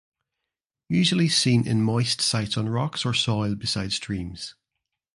Usually seen in moist sites on rocks or soil beside streams.